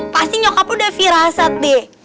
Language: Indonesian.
pasti nyokap lo udah firasat deh